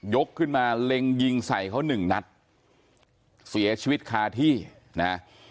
กขึ้นมาเล็งยิงใส่เขาหนึ่งนัดเสียชีวิตคาที่นะ